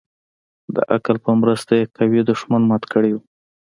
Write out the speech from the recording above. د عقل په مرسته يې قوي دښمن مات كړى و.